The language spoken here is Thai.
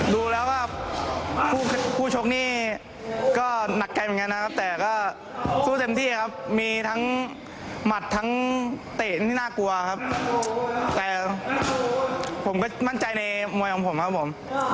ดูแล้วก็ผู้ชกนี่ก็หนักใจเหมือนกันนะครับแต่ก็สู้เต็มที่ครับมีทั้งหมัดทั้งเตะที่น่ากลัวครับแต่ผมก็มั่นใจในมวยของผมครับผม